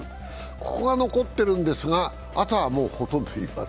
ここが残っているんですが、あとはもう。